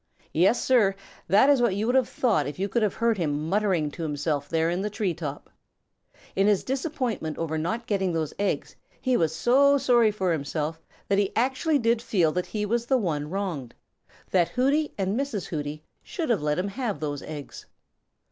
Yes, Sir, that is what you would have thought if you could have heard him muttering to himself there in the tree top. In his disappointment over not getting those eggs, he was so sorry for himself that he actually did feel that he was the one wronged, that Hooty and Mrs. Hooty should have let him have those eggs.